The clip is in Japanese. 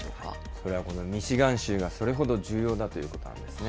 それはこのミシガン州がそれほど重要だということなんですね。